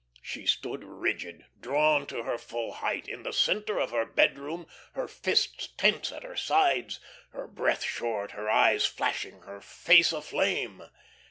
She stood rigid, drawn to her full height, in the centre of her bedroom, her fists tense at her sides, her breath short, her eyes flashing, her face aflame.